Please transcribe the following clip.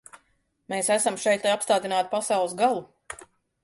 Mēs esam šeit, lai apstādinātu pasaules galu.